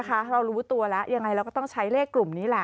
เรารู้ตัวแล้วยังไงเราก็ต้องใช้เลขกลุ่มนี้แหละ